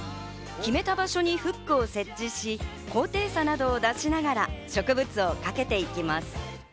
決めた場所にフックを設置し、高低差などを出しながら植物をかけていきます。